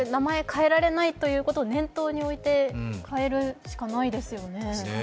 変えられないということを念頭に置いて決めるしかないですね。